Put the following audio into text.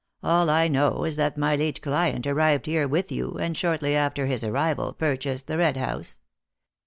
All I know is that my late client arrived here with you, and shortly after his arrival purchased the Red House.